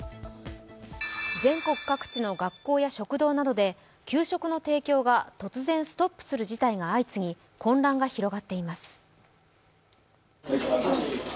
全国各地の学校や食堂などで給食の提供が突然ストップする事態が相次ぎ混乱が広がっています。